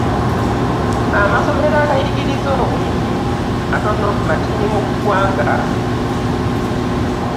Amasomero agayigiriza obulimi matini mu ggwanga.